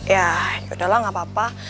ya yaudahlah nggak apa apa